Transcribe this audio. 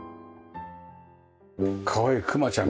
かわいいクマちゃん。